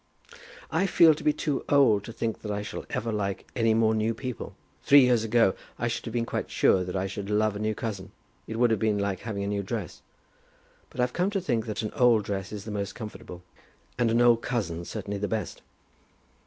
"I feel to be too old to think that I shall ever like any more new people. Three years ago I should have been quite sure that I should love a new cousin. It would have been like having a new dress. But I've come to think that an old dress is the most comfortable, and an old cousin certainly the best."